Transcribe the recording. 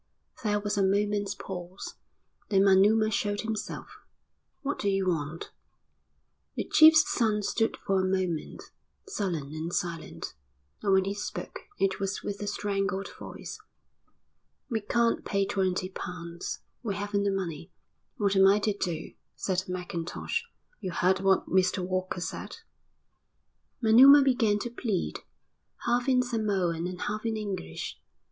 There was a moment's pause, then Manuma showed himself. "What do you want?" The chief's son stood for a moment, sullen and silent, and when he spoke it was with a strangled voice. "We can't pay twenty pounds. We haven't the money." "What am I to do?" said Mackintosh. "You heard what Mr Walker said." Manuma began to plead, half in Samoan and half in English.